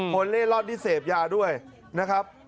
เล่ร่อนที่เสพยาด้วยนะครับ